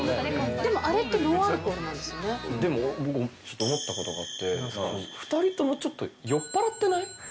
でもあれって、ノンアルコーでも僕、ちょっと思ったことがあって、２人ともちょっと、酔っぱらってない？